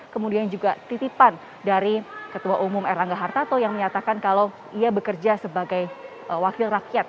kemudian juga titipan dari ketua umum erlangga hartarto yang menyatakan kalau ia bekerja sebagai wakil rakyat